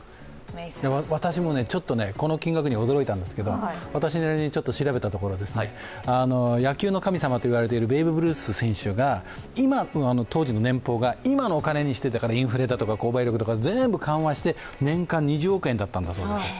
私もちょっと、この金額には驚いたんですが私なりに調べたところ野球の神様といわれているベーブ・ルース選手が今のお金にしてインフレだとか購買力だとかを全部抜きにして年間２０億円だったんだそうです。